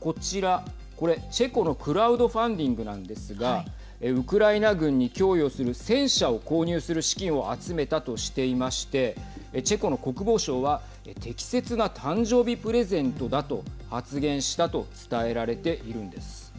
こちら、これチェコのクラウドファンディングなんですがウクライナ軍に供与する戦車を購入する資金を集めたとしていましてチェコの国防相は適切な誕生日プレゼントだと発言したと伝えられているんです。